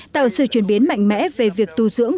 tạo sự chuyển biến mạnh mẽ về việc tu dưỡng